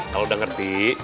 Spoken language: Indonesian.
kalau udah ngerti